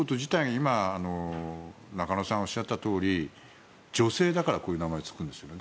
今、中野さんがおっしゃったとおり女性だからこういう名前がつくんですよね。